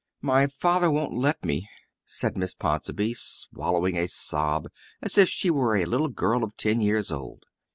"My father won't let me," said Miss Ponsonby, swallowing a sob as if she were a little girl of ten years old.